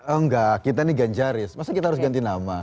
oh nggak kita nih ganjaris masa kita harus ganti nama